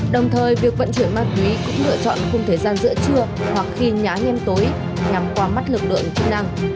đồng thời việc vận chuyển ma túy cũng lựa chọn khung thời gian giữa trưa hoặc khi nháe tối nhằm qua mắt lực lượng chức năng